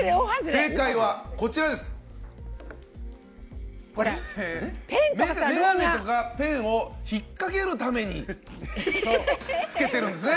正解は眼鏡とかペンを引っ掛けるためにつけてるんですね。